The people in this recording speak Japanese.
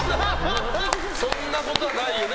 そんなことはないよね。